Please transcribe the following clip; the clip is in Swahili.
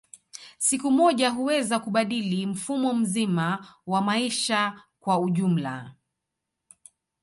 Siku moja huweza kubadili mfumo mzima wa maisha kwa ujumla